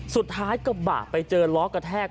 สุดท้ายกระบะไปล้อกระแทก